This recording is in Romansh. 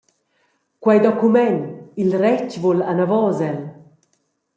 Quei document, il retg vul anavos el.